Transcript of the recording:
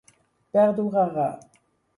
Perdurarà.